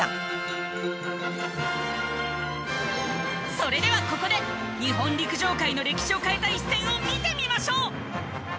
それではここで日本陸上界の歴史を変えた一戦を見てみましょう！